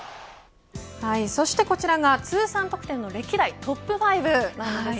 そしてこちらが通算得点の歴代トップ５です。